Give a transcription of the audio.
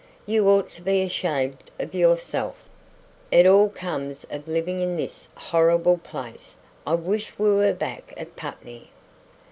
You ought to be ashamed of yourself. It all comes of living in this horrible place. I wish we were back at Putney."